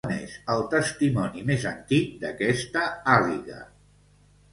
De quan és el testimoni més antic d'aquesta àliga?